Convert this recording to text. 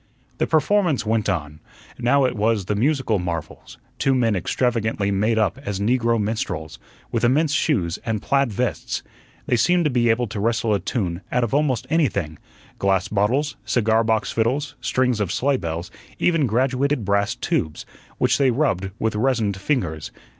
The performance went on. Now it was the "musical marvels," two men extravagantly made up as negro minstrels, with immense shoes and plaid vests. They seemed to be able to wrestle a tune out of almost anything glass bottles, cigar box fiddles, strings of sleigh bells, even graduated brass tubes, which they rubbed with resined fingers.